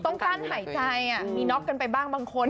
ต้องการหายใจมีน็อคกันไปบ้างบางคน